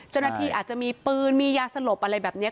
เจ้าหน้าที่อาจจะมีปืนมียาสลบอะไรแบบนี้